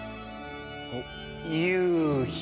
夕日。